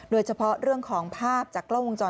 โดยเฉพาะเรื่องของภาพจากกล้องวงจร